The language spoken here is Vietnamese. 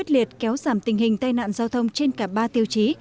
liệt kéo giảm tình hình tai nạn giao thông trên cả ba tiêu chí